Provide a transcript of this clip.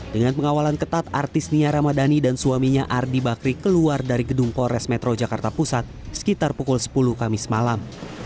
dengan pengawalan ketat artis nia ramadhani dan suaminya ardi bakri keluar dari gedung polres metro jakarta pusat sekitar pukul sepuluh kamis malam